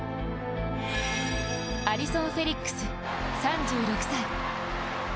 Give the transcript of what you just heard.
アリソン・フェリックス３６歳。